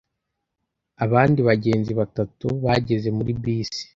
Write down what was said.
Abandi bagenzi batatu bageze muri bisi.